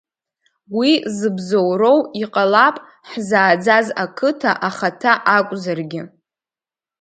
Уи зыбзоуроу, иҟалап, ҳзааӡаз ҳқыҭа ахаҭа акәзаргьы.